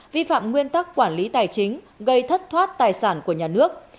vi phạm nguyên tắc quản lý tài chính gây thất thoát tài sản của nhà nước